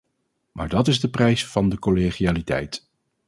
Maar dat is de prijs van de collegialiteit.